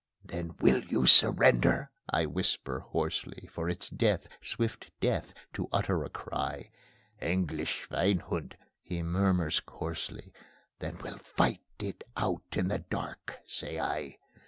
Then: "Will you surrender?" I whisper hoarsely, For it's death, swift death to utter a cry. "English schwein hund!" he murmurs coarsely. "Then we'll fight it out in the dark," say I.